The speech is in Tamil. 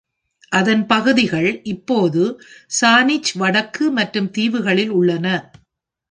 அதன் பகுதிகள் இப்போது சானிச் வடக்கு மற்றும் தீவுகளில் உள்ளன.